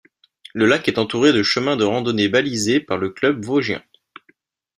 Le lac est entouré de chemins de randonnée balisés par le Club vosgien.